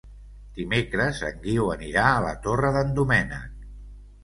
Dimecres en Guiu anirà a la Torre d'en Doménec.